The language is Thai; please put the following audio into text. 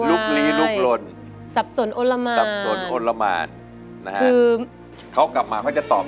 เปล่านี่ทวนเนื้อหรือเดินแบบ